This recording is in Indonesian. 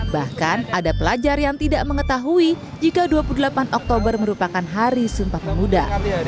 bahkan ada pelajar yang tidak mengetahui jika dua puluh delapan oktober merupakan hari sumpah pemuda